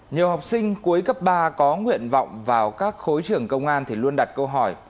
nhiều học sinh cuối cấp ba có nguyện vọng vào các khối trưởng công an thì luôn đặt câu hỏi